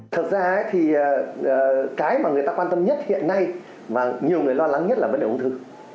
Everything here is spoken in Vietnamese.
thực ra thì cái mà người ta quan tâm nhất hiện nay mà nhiều người lo lắng nhất là vấn đề ung thư